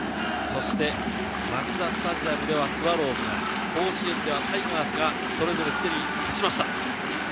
マツダスタジアムではスワローズが、甲子園ではタイガースがそれぞれすでに勝ちました。